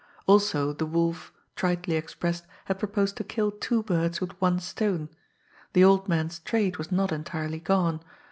Also, the Wolf, tritely expressed, had proposed to kill two birds with one stone. The old man's trade was not entirely gone.